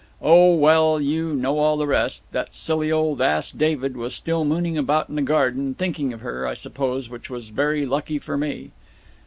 Oh well, you know all the rest. That silly old ass, David, was still mooning about in the garden, thinking of her, I suppose, which was very lucky for me."